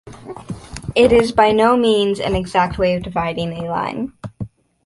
It is by no means an exact way of dividing a line.